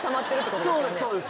そうですそうです。